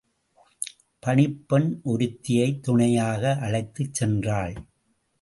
பணிப்பெண் ஒருத்தியைத் துணையாக அழைத்துச் சென்றாள்.